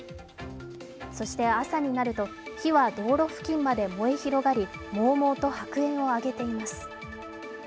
そして朝になると、火は道路付近まで燃え広がり、もうもうと白煙を上げています。